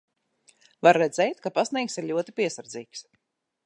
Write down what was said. Var redzēt, ka pastnieks ir ļoti piesardzīgs.